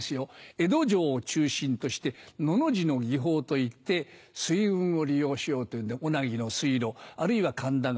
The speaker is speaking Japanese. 江戸城を中心として「の」の字の技法といって水運を利用しようっていうんで小名木の水路あるいは神田川